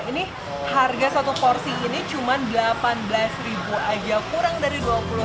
ini harga satu porsi ini cuma rp delapan belas aja kurang dari rp dua puluh